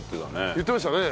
言ってましたね。